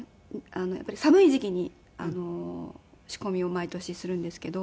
やっぱり寒い時期に仕込みを毎年するんですけど。